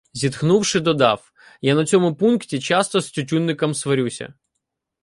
— Зітхнувши, додав: — Я на цьому пункті часто з Тютюнником сварюся.